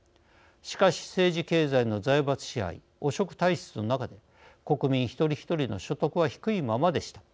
しかし、政治経済の財閥支配汚職体質の中で国民一人一人の所得は低いままでした。